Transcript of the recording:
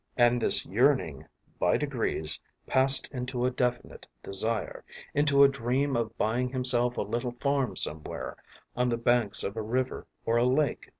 And this yearning by degrees passed into a definite desire, into a dream of buying himself a little farm somewhere on the banks of a river or a lake.